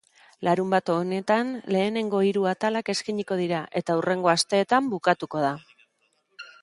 Larunbat honetan lehenengo hiru atalak eskainiko dira eta hurrengo asteetan bukatuko da.